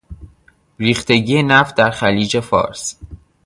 ریختگی نفت در خلیج فارس